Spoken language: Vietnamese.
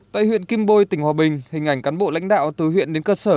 tại huyện kim bôi tỉnh hòa bình hình ảnh cán bộ lãnh đạo từ huyện đến cơ sở